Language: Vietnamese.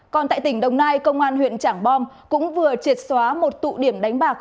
còn tại tỉnh đồng nai công an huyện trảng bom cũng vừa triệt xóa một tụ điểm đánh bạc